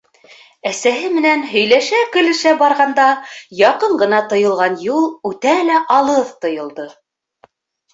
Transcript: Әсәһе менән һөйләшә-көлөшә барғанда яҡын ғына тойолған юл үтә лә алыҫ тойолдо.